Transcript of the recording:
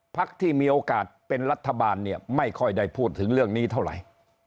พักที่มีโอกาสเป็นรัฐบาลเนี่ยไม่ค่อยได้พูดถึงเรื่องนี้เท่าไหร่